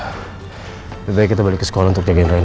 tidak payah kita balik ke sekolah untuk jagain reina